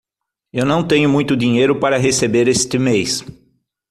Eu não tenho muito dinheiro para receber este mês.